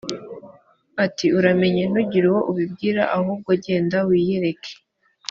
ati uramenye ntugire uwo ubibwira b ahubwo genda wiyereke